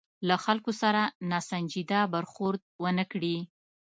له خلکو سره ناسنجیده برخورد ونه کړي.